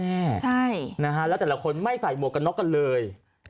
แล้วแต่ละคนไม่ใส่หมวกนอกกันเลย